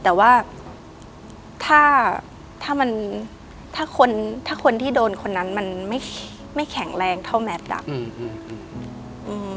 แต่ว่าถ้าถ้ามันถ้าคนถ้าคนที่โดนคนนั้นมันไม่ไม่แข็งแรงเท่าแมทอ่ะอืม